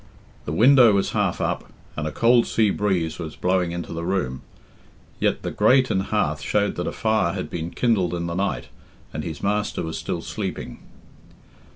The window was half up, and a cold sea breeze was blowing into the room; yet the grate and hearth showed that a fire had been kindled in the night, and his master was still sleeping.